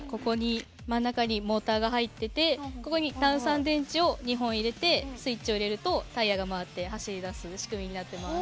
真ん中にモーターが入ってて単三電池を２本入れてスイッチを入れるとタイヤが回って走り出す仕組みになってます。